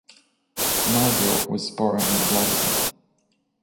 Mayo was born in London.